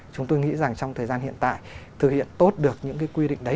chúng tôi nghĩ rằng trong thời gian hiện tại thực hiện tốt được những cái quy định đấy